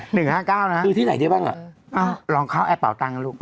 หนึ่งห้าเก้านะคือที่ไหนได้บ้างอ่ะอ่าลองเข้าแอร์เป่าตังค์นะลูก